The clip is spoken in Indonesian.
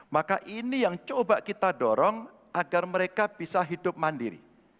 maka ini yang coba kita dorong agar mereka bisa hidup mandiri